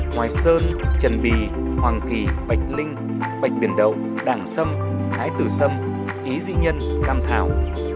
ngoài sơn trần bì hoàng kỳ bạch linh bạch biển đậu đảng xâm thái tử xâm ý dị nhân cam tháo